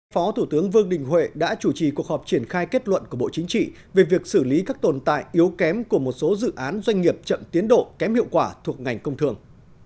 phó thủ tướng vương đình huệ đã chủ trì cuộc họp triển khai kết luận của bộ chính trị về việc xử lý các tồn tại yếu kém của một số dự án doanh nghiệp chậm tiến độ kém hiệu quả thuộc ngành công thường